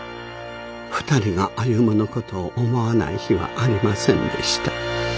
２人が歩の事を思わない日はありませんでした。